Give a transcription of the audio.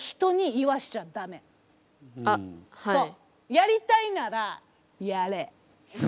やりたいならやれ。